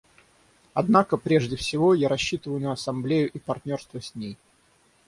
Однако, прежде всего, я рассчитываю на Ассамблею и партнерство с ней.